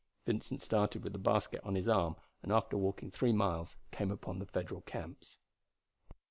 Vincent started with the basket on his arm, and after walking three miles came upon the Federal camps.